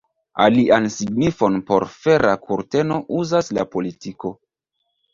Alian signifon por fera kurteno uzas la politiko.